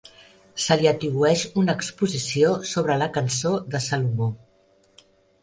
Se li atribueix una exposició sobre la cançó de Salomó.